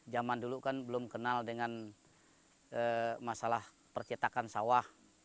zaman dulu kan belum kenal dengan masalah percetakan sawah